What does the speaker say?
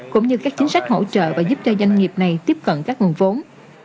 cũng như các chính sách hỗ trợ và giúp cho doanh nghiệp này tiếp cận các nguồn vốn